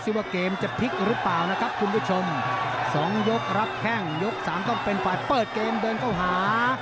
ว่าเกมจะพลิกหรือเปล่านะครับคุณผู้ชมสองยกรับแข้งยกสามต้องเป็นฝ่ายเปิดเกมเดินเข้าหา